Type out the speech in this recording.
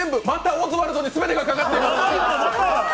またオズワルドに全てがかかってます。